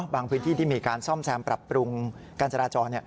พื้นที่ที่มีการซ่อมแซมปรับปรุงการจราจร